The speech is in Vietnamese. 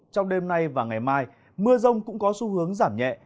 trong đêm nay và ngày mai mưa rông cũng có xu hướng giảm nhẹ